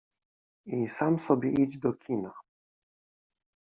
I sam sobie idź do kina.